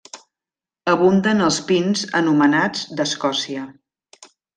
Abunden els pins anomenats d'Escòcia.